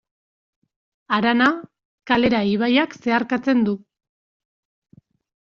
Harana Kalera ibaiak zeharkatzen du.